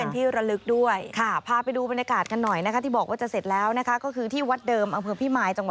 ตอนนี้เสร็จแล้วนะพร้อมแล้ว